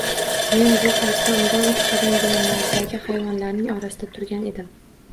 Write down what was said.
Men bu paytda undan uch qadamgina naridagi hayvonlarning orasida turgan edim